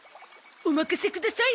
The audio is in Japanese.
お任せください